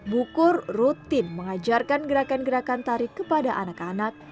bu kur rutin mengajarkan gerakan gerakan tari kepada anak anak